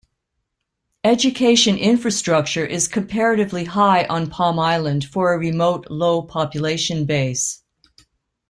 Education infrastructure is comparatively high on Palm Island for a remote low population base.